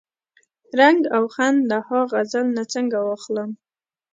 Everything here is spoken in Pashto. رنګ او خوند له ها غزل نه څنګه واخلم؟